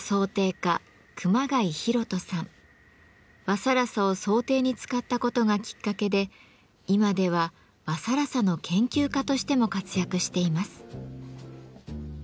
和更紗を装丁に使ったことがきっかけで今では和更紗の研究家としても活躍しています。